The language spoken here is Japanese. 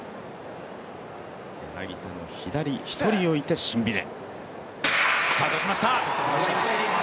柳田の左、１人置いてシンビネ。